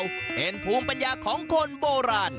เป็นภูมิปัญญาของคนโบราณ